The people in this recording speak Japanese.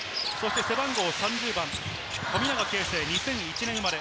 背番号３０番、富永啓生、２００１年生まれ。